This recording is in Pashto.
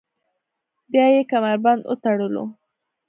بیا یې کمربند وتړلو.